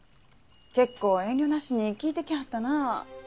結構遠慮なしに聞いてきはったな。